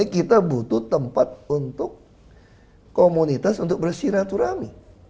kita butuh tempat untuk komunitas untuk bersiraturami